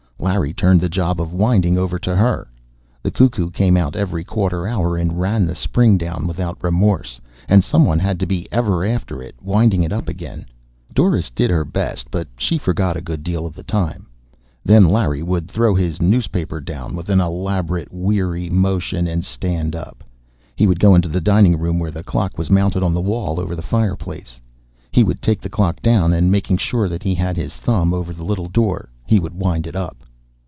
Larry turned the job of winding over to her; the cuckoo came out every quarter hour and ran the spring down without remorse, and someone had to be ever after it, winding it up again. Doris did her best, but she forgot a good deal of the time. Then Larry would throw his newspaper down with an elaborate weary motion and stand up. He would go into the dining room where the clock was mounted on the wall over the fireplace. He would take the clock down and making sure that he had his thumb over the little door, he would wind it up.